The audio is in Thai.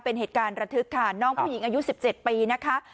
เป็นเหตุการณ์ระทึกค่ะน้องผู้หญิงอายุ๑๗ปีนะคะ